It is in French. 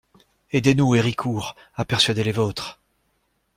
Aidez-nous, Héricourt, à persuader les vôtres!